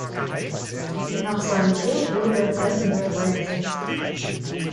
Nach seinem Tod wurde er in Altenberg beigesetzt.